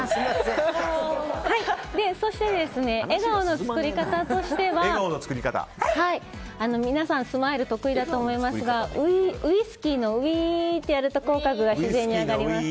で、笑顔の作り方としては皆さん、スマイルは得意だと思いますがウイスキーのウイーってやると口角が自然に上がります。